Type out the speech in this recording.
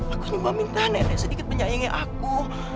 aku nyoba minta nenek sedikit menyayangi aku